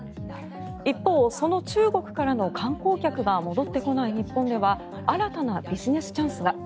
一方、その中国からの観光客が戻ってこない日本では新たなビジネスチャンスが。